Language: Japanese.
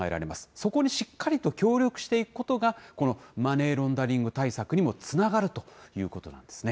そこにしっかりと協力していくことが、このマネーロンダリング対策にもつながるということなんですね。